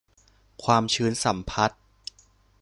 ความชื้นสัมพัทธ์